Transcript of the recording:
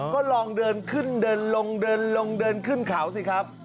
ก็ลองเดินขึ้นเดินลงเดินลงเดินขึ้นเขาสิครับ